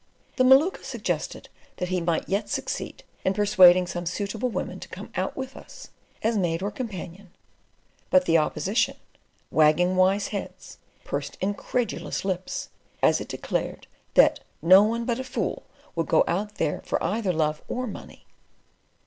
The Maluka suggested that he might yet succeed in persuading some suitable woman to come out with us, as maid or companion; but the opposition, wagging wise heads, pursed incredulous lips, as it declared that "no one but a fool would go out there for either love or money."